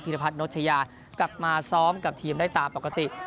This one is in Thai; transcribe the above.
รพัฒนชยากลับมาซ้อมกับทีมได้ตามปกติ